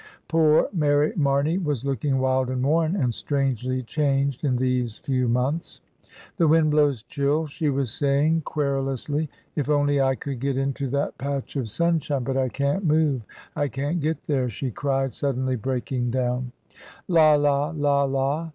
Poor Mary Marney was looking wild and worn, and strangely changed in these few months. "The wind blows chill," she was saying, queru lously. "If only I could get into that patch of sun shine, but I can't move, I can't get there," she cried, suddenly breaking down. "La! la! la! la!"